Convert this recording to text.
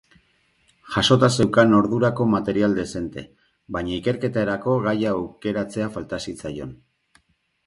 Jasota zeukan ordurako material dezente, baina ikerketarako gaia aukeratzea falta zitzaion.